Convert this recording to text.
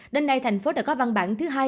đến nay tp hcm đã có văn bản thứ hai